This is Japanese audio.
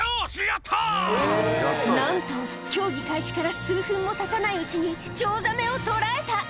なんと競技開始から数分もたたないうちにチョウザメを捕らえた！